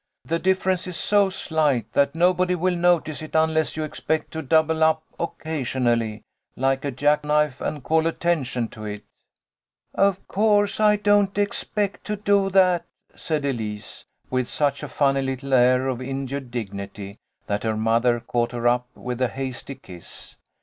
"The difference is so slight that nobody will notice it unless you expect to double up occasion ally like a jack knife and call attention to it." " Of course I don't expect to do that," said Elise, with such a funny little air of injured dignity that her mother caught her up with a hasty kiss.